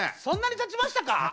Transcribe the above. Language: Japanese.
そんなにたちましたか？